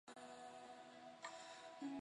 真鳄类的内鼻孔完全由翼骨环绕者。